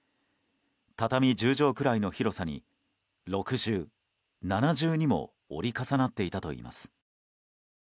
畳１０畳くらいの広さに６重、７重にも折り重なっていたといいます。